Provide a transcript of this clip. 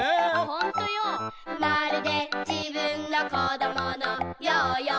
「ほんとよ、まるで自分の小どものようよ」